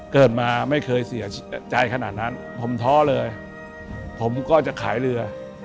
เกิดมาไม่เคยเสียใจขนาดนั้นผมท้อเลยผมก็จะขายเรือ